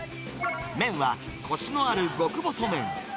麺はこしのある極細麺。